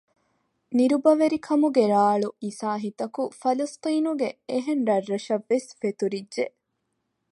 ނިރުބަވެރިކަމުގެ ރާޅު އިސާހިތަކު ފަލަސްޠީނުގެ އެހެން ރަށްރަށަށް ވެސް ފެތުރިއްޖެ